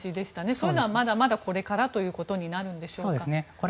そういうのはまだまだこれからということになるんでしょうか。